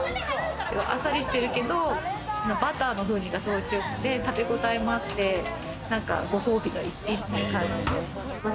あっさりしてるけど、バターの風味がすごい強くて食べごたえもあって、ご褒美の一品みたいな感じです。